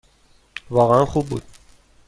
واقعاً خوب بود.